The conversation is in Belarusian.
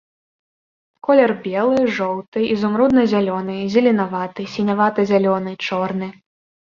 Колер белы, жоўты, ізумрудна-зялёны, зеленаваты, сінявата-зялёны, чорны.